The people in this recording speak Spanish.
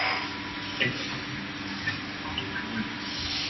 Esto provocó descontento y revueltas.